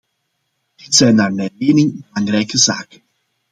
Dit zijn naar mijn mening belangrijke zaken.